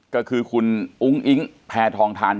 ก็คือคุณอุ้งอิ๊งแพทองทาน